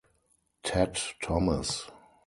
Ted Thomas.